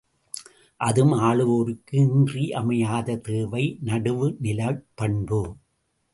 அதுவும் ஆளுவோருக்கு இன்றியமையாத தேவை நடுவுநிலைப்பண்பு.